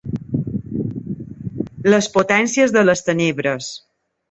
Les potències de les tenebres.